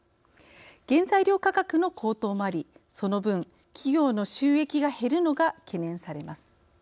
原材料価格の高騰もありその分、企業の収益が減るのが懸念されます。